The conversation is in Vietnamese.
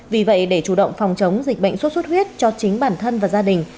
vì vậy để chủ động phòng chống dịch bệnh suốt suốt huyết cho chính bản thân và gia đình